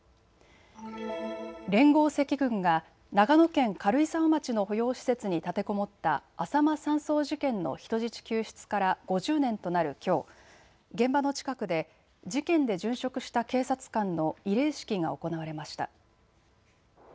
連合赤軍が長野県軽井沢町の保養施設に立てこもったあさま山荘事件の人質救出から５０年となるきょう、現場の近くで事件で殉職した警察官の慰霊式が行われました。